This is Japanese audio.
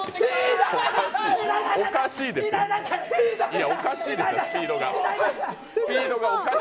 いや、おかしいですよ、スピードが。